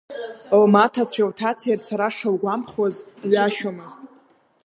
Лмаҭацәеи лҭацеи рцара шылгәамԥхоз ҩашьомызт.